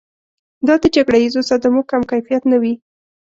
دا د جګړیزو صدمو کم کیفیت نه وي.